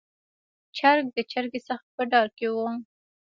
چرګ د چرګې څخه په ډار کې و.